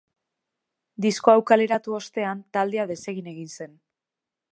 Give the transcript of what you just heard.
Disko hau kaleratu ostean, taldea desegin egin zen.